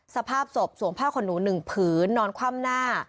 สภาพศพสวมผ้าขนหนู๑ผืนนอนคว่ำหน้า